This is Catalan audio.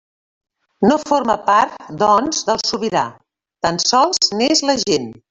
No forma part, doncs, del sobirà; tan sols n'és l'agent.